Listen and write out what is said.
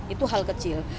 itu hal kecil